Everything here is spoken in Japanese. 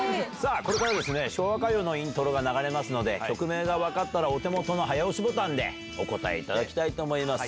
これから昭和歌謡のイントロが流れますので、曲名が分かったら、お手元の早押しボタンでお答えいただきたいと思います。